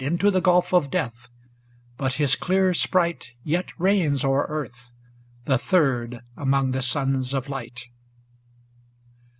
Into the gulf of death; but his clear Sprite Yet reigns o'er earth, the third among the sons of light.